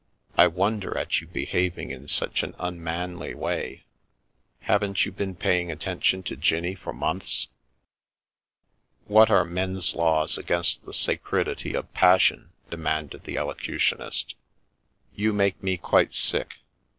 I wonder at you behaving in such an unmanly way; haven't you been paying attention to Jinnie for months ?"" What are men's laws against the sacredity of pas sion ?" demanded the Elocutionist. " You make me quite sick